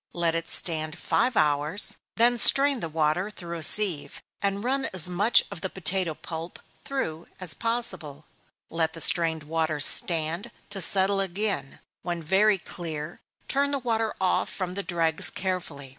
Let it stand five hours, then strain the water through a sieve, and rub as much of the potato pulp through as possible let the strained water stand to settle again when very clear, turn the water off from the dregs carefully.